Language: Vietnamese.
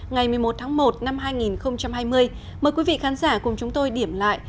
ngày một mươi một tháng một năm hai nghìn hai mươi mời quý vị khán giả cùng chúng tôi điểm lại